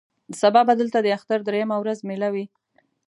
سبا به دلته د اختر درېیمه ورځ مېله وي.